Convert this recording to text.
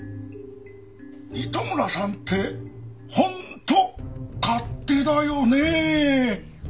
糸村さんって本当勝手だよねえ。